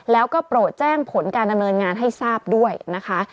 แล้วก็โปรดแจ้งผลการดำเนินงานให้ทราบด้วยนะคะ